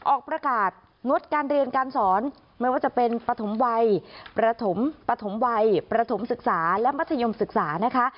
ออกประกาศงดการเรียนการสอนไม่ว่าจะเป็นปฐมวัยประถมวัยประถมศึกษาและมัธยมศึกษานะคะ